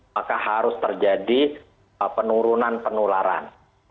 maka harus terjadi penurunan penularan